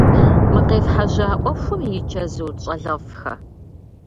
Мы къефхьэжьа ӏуэхум и чэзут, щӏалэфӏхэ?